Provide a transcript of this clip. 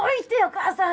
母さん！